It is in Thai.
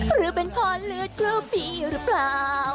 หรือเป็นพรเลือดเกลือบพี่หรือเปล่า